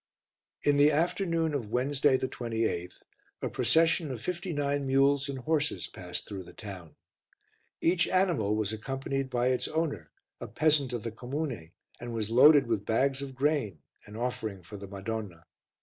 In the afternoon of Wednesday, the 28th, a procession of fifty nine mules and horses passed through the town. Each animal was accompanied by its owner, a peasant of the comune, and was loaded with bags of grain, an offering for the Madonna.